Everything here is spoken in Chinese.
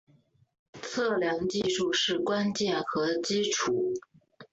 测量技术是关键和基础。